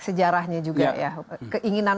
sejarahnya juga ya keinginan